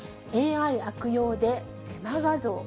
ＡＩ悪用でデマ画像。